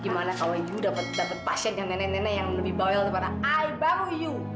gimana kalo lu dapet pasien yang nenek nenek yang lebih bawel daripada ayah baru lu